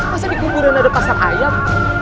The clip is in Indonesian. masa dikuburin ada pasang ayam